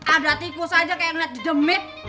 ada tikus aja kayak liat di jemit